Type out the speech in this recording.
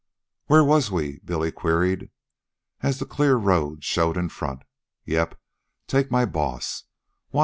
"Where was we?" Billy queried, as the clear road showed in front. "Yep, take my boss.